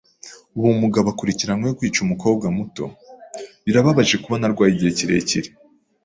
Uwo mugabo akurikiranyweho kwica umukobwa muto. Birababaje kubona arwaye igihe kirekire.